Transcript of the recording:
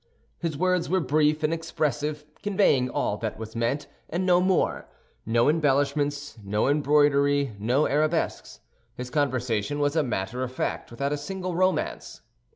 His words were brief and expressive, conveying all that was meant, and no more; no embellishments, no embroidery, no arabesques. His conversation was a matter of fact, without a single romance.